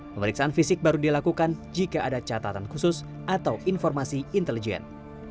pemeriksaan fisik baru dilakukan jika ada catatan khusus atau informasi intelijen